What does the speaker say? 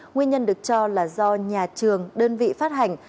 nguyên nhân được cho là do nhà trường đơn vị phát hành